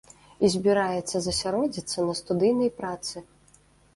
І збіраецца засяродзіцца на студыйнай працы.